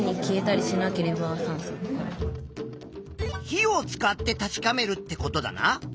火を使って確かめるってことだな。